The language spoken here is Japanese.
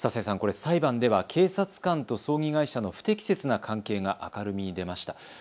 裁判では警察官と葬儀会社の不適切な関係が明るみに出ました。